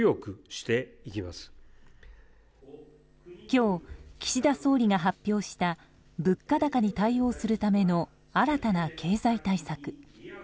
今日、岸田総理が発表した物価高に対応するための新たな経済対策。